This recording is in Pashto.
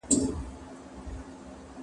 ځوابونه په تحقیق کې پیدا کړئ.